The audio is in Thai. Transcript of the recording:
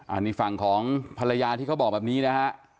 อันนี้ฝั่งของภรรยาที่เขาบอกแบบนี้นะฮะ